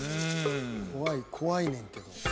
「怖い怖いねんけど」